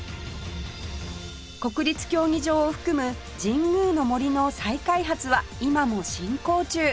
国立競技場を含む神宮の杜の再開発は今も進行中